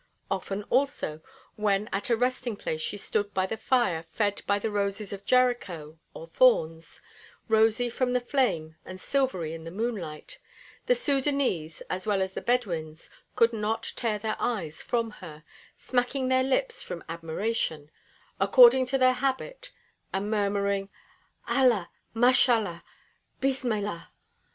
Often also, when at a resting place she stood by the fire fed by the roses of Jericho or thorns, rosy from the flame and silvery in the moonlight, the Sudânese as well as the Bedouins could not tear their eyes from her, smacking their lips from admiration, according to their habit, and murmuring: "Allah! Mashallah! Bismillah!"